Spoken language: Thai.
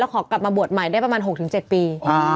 ขอกลับมาบวชใหม่ได้ประมาณ๖๗ปี